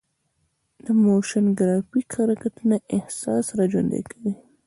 د موشن ګرافیک حرکتونه احساس راژوندي کوي.